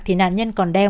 thì nạn nhân còn đeo